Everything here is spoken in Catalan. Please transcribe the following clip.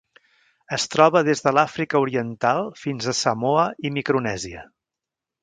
Es troba des de l'Àfrica Oriental fins a Samoa i Micronèsia.